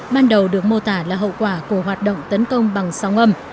ban đầu được mô tả là hậu quả của hoạt động tấn công bằng sóng âm